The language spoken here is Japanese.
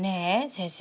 先生